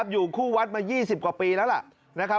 อยู่คู่วัดมา๒๐กว่าปีแล้วล่ะนะครับ